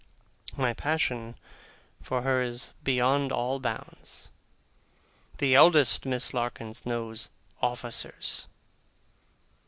My passion for her is beyond all bounds. The eldest Miss Larkins knows officers.